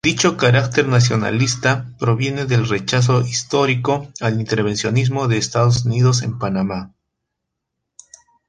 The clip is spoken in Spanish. Dicho carácter nacionalista proviene del rechazo histórico al intervencionismo de Estados Unidos en Panamá.